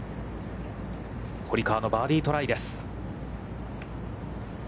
堀川のバーディートライです。